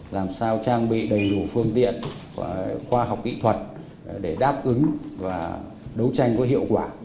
làm sao trang bị đầy đủ phương tiện khoa học kỹ thuật để đáp ứng và đấu tranh có hiệu quả